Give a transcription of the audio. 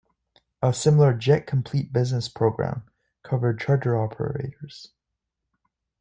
A similar "Jet Complete Business" program covered charter operators.